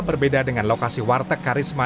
berbeda dengan lokasi warteg karisma